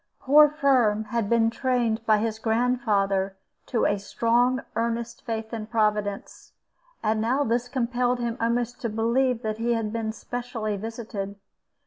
Poor Firm had been trained by his grandfather to a strong, earnest faith in Providence, and now this compelled him almost to believe that he had been specially visited.